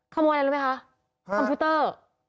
ขโมยอะไรรู้ไหมคะคอมพิวเตอร์